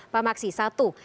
pak maksih satu